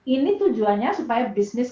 ini tujuannya supaya bisnis